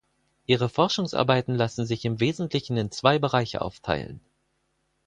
Ihre Forschungsarbeiten lassen sich im Wesentlichen in zwei Bereiche aufteilen.